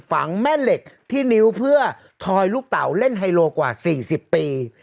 ฝังแม่เหล็กที่นิ้วเพื่อทอยลูกเต่าเล่นไฮโลกว่า๔๐ปี